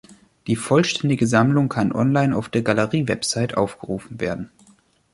Die vollständige Sammlung kann online auf der Galerie-Website aufgerufen werden.